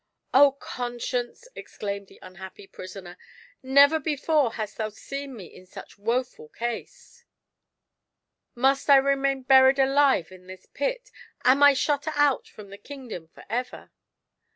" O Conscience !" exclaimed the unhappy prisoner, " never before hast thou seen me in such woeful case I 48 GIANT SELFISHNESS. Must I remain buried alive in this pit — am I shut out from the kingdom for ever